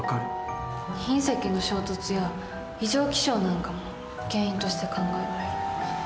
隕石の衝突や異常気象なんかも原因として考えられる。